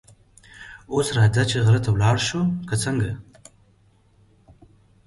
اوس راځه چې غره ته ولاړ شو، که څنګه؟